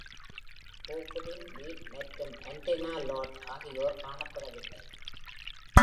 போர்குபின் Pete மற்றும் Antenna Lad ஆகியோர் காணப்படவில்லை.